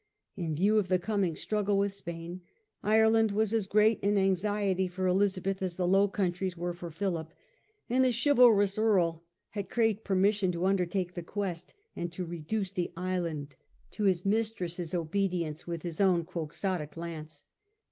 In view of the coming struggle with Spain, Ireland was as great an anxiety for Elizabeth as the Low Countries were for Philip ; and the chivalrous Earl had craved permission to undertake the quest, and to reduce the island to his mistress's obedience with his own Quixotic lance.